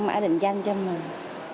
mã định danh cho mình